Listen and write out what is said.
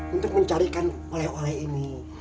untuk mencarikan oleh oleh ini